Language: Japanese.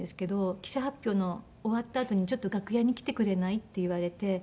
記者発表の終わったあとに「ちょっと楽屋に来てくれない？」って言われて。